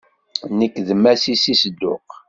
Nekk d Masi si Sedduq.